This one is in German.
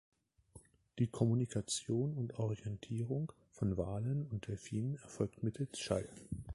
Die Kommunikation und Orientierung von Walen und Delphinen erfolgt mittels Schall.